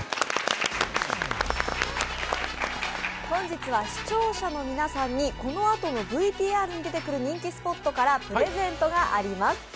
本日は視聴者の皆さんにこのあとのＶＴＲに出てくる人気スポットからプレゼントがあります。